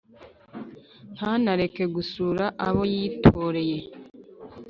ntanareke gusura abo yitoreye.